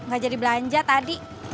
gak jadi belanja tadi